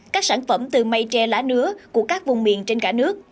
các sản phẩm từ mây tre lá nứa của các vùng miền trên cả nước